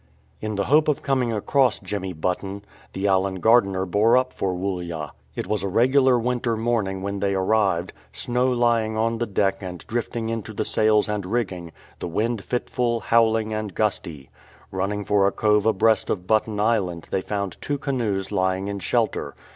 In the hope of coming across Jemmy Button, the Allen Gardiner bore up for Woollya. It was a regular winter morning when they arrived, " snow lying on the deck and drifting into the sails and rigging, the wind fitful, howl ing, and gusty." Running for a cove abreast of Button Island, they found two canoes lying in shelter.